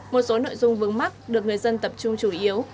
một số nội dung vướng mắt được người dân tập trung chủ yếu